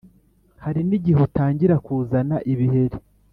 Hari nigihe utangira kuzana ibiheri